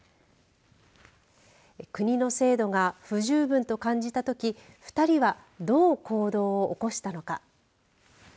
国の制度が不十分と感じたとき２人はどう行動を起こしたのか。